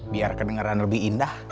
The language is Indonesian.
biar kedengeran lebih indah